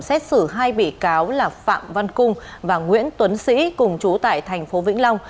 xét xử hai bị cáo là phạm văn cung và nguyễn tuấn sĩ cùng chú tại tp vĩnh long